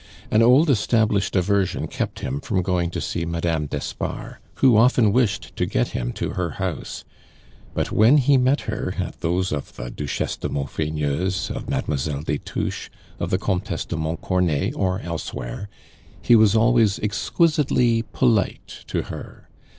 An old established aversion kept him from going to see Madame d'Espard, who often wished to get him to her house; but when he met her at those of the Duchesse de Maufrigneuse, of Mademoiselle des Touches, of the Comtesse de Montcornet or elsewhere, he was always exquisitely polite to her.